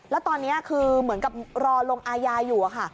แล้วตอนนี้คือเหมือนกับรอลงอายาอยู่อะค่ะ